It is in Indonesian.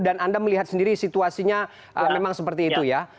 dan anda melihat sendiri situasinya memang seperti itu ya